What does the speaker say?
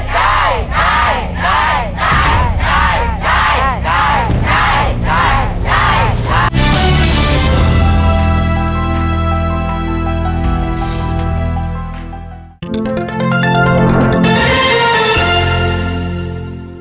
ได้